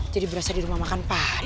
jadi berasa di rumah makan padang